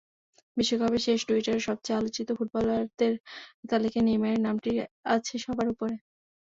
বিশ্বকাপ শেষে টুইটারে সবচেয়ে আলোচিত ফুটবলারদের তালিকায় নেইমারের নামটাই আছে সবার ওপরে।